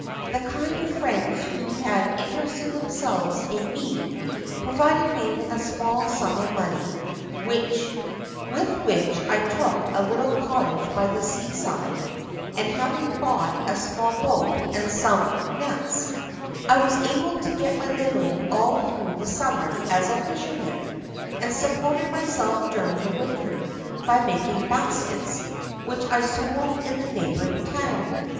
The kind friends who had interested themselves in me provided me with a small sum of money, with which I took a little cottage by the sea side; and having bought a small boat and some nets, I was able to get my living all through the summer as a fisherman, and supported myself during the winter by making baskets, which I sold in the neighbouring town.